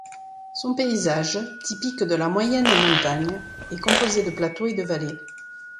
Son paysage, typique de la moyenne montagne, est composé de plateaux et de vallées.